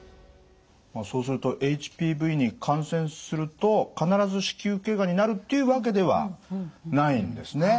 まあそうするとＨＰＶに感染すると必ず子宮頸がんになるっていうわけではないんですね。